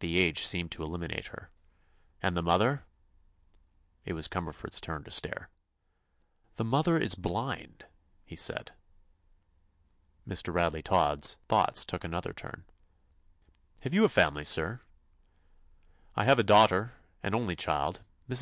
The age seemed to eliminate her. "And the mother?" It was Cumberford's turn to stare. "The mother is blind," he said. Mr. Radley Todd's thoughts took another turn. "Have you a family, sir?" "I have a daughter, an only child. Mrs.